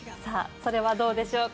それはどうでしょうか。